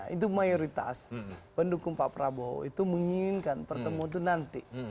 itu mayoritas pendukung pak prabowo itu menginginkan pertemuan itu nanti